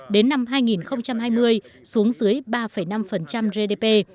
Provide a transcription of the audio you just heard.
đến năm hai nghìn hai mươi xuống dưới ba năm gdp